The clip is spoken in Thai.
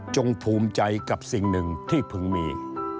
ภูมิใจกับสิ่งหนึ่งที่พึงมี